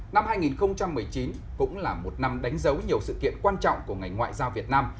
năm hai nghìn một mươi chín cũng là một năm đánh dấu nhiều sự kiện quan trọng của ngành ngoại giao việt nam